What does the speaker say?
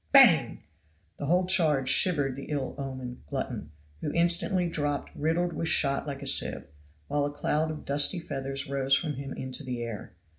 Bang! the whole charge shivered the ill omened glutton, who instantly dropped riddled with shot like a sieve, while a cloud of dusky feathers rose from him into the air.